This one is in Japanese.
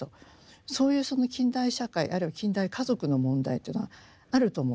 そういうその近代社会あるいは近代家族の問題というのがあると思うんですよね。